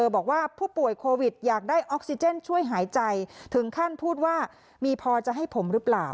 บอกว่าผู้ป่วยโควิดอยากได้ออกซิเจนช่วยหายใจถึงขั้นพูดว่ามีพอจะให้ผมหรือเปล่า